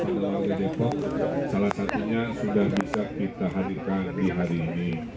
warga depok salah satunya sudah bisa kita hadirkan di hari ini